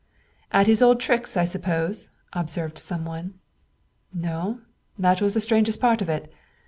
"At his old tricks, I suppose," observed some one. "No; that was the strangest part of it.